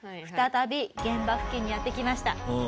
再び現場付近にやって来ました。